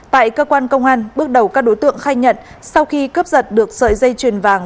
tại cơ quan công an bước đầu các đối tượng khai nhận sau khi cướp giật được sợi dây chuyền vàng